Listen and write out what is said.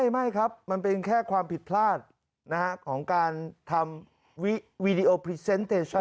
ไม่ครับมันเป็นแค่ความผิดพลาดของการทำวีดีโอพรีเซนต์เตชั่น